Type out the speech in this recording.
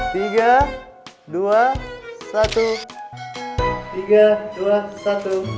siap ya senyum ya